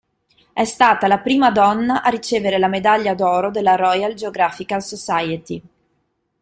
È stata la prima donna a ricevere la medaglia d'oro della Royal Geographical Society.